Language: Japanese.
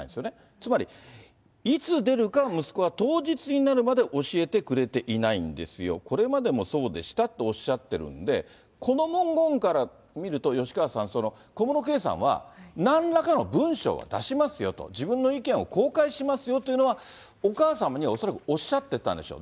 つまり、いつ出るか、息子は当日になるまで教えてくれていないんですよ、これまでもそうでしたとおっしゃってるんで、この文言から見ると、吉川さん、小室圭さんはなんらかの文書は出しますよと、自分の意見を公開しますよというのは、お母様に恐らくおっしゃってたんでしょう。